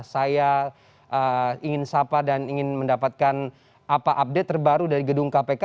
saya ingin sapa dan ingin mendapatkan apa update terbaru dari gedung kpk